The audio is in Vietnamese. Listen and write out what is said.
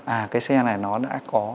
à cái xe này nó đã có